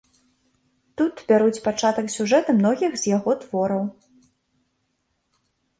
Тут бяруць пачатак сюжэты многіх з яго твораў.